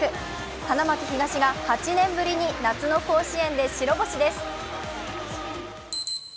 花巻東が８年ぶりに夏の甲子園で白星です。